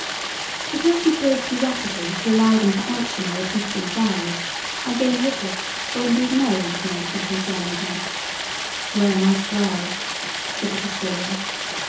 But as we drove too rapidly to allow them to answer my repeated Enquiries, I gained little, or indeed, no information concerning him. "Where am I to drive?" said the Postilion.